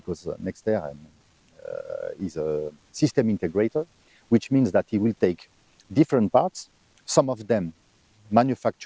dan tantangan adalah untuk mengintegrasi semuanya dalam sistem singkat